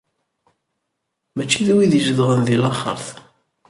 Mačči d wid izedɣen di laxert.